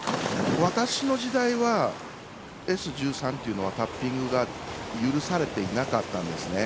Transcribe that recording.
私の時代はＳ１３というのはタッピングが許されていなかったんですね。